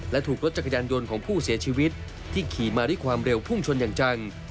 และถูกรถจักรยานยนต์ของผู้เสียชีวิตที่ขี่มาด้วยความเร็วพุ่งชนอย่างจัง